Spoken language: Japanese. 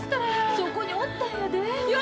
そこにおったんやで。